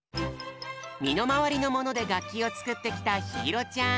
みのまわりのものでがっきをつくってきたひいろちゃん。